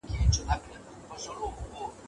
اقتصادي توازن د هر نظام لپاره اړین دی.